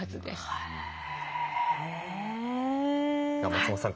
松本さん